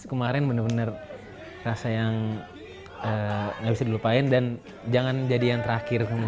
kemarin bener bener rasa yang gak bisa dilupain dan jangan jadi yang terakhir